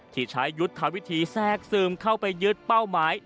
ที่ใช้ยุทธวิธีแทรกซึมเข้าไปยึดเป้าหมาย